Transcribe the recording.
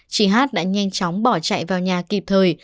chị hát đã nhanh chóng bỏ chạy vào nhà kịp thời